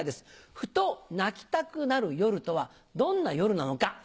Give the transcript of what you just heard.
ふと泣きたくなる夜とはどんな夜なのか。